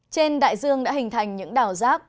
trên đại dương đã hình thành những đảo rác